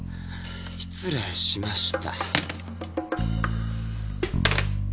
失礼しました！